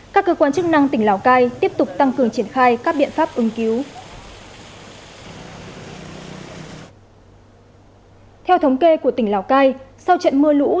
các cơ quan chức năng tỉnh lào cai tiếp tục tăng cường triển khai các biện pháp ứng cứu